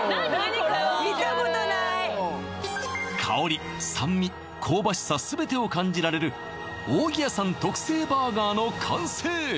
香り酸味香ばしさ全てを感じられる扇谷さん特製バーガーの完成！